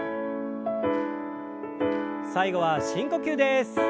最後は深呼吸です。